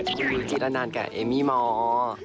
ดูจี๊แล้วนานกับเอมมี่มอร์